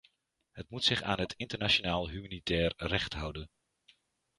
Het moet zich aan het internationaal humanitair recht houden.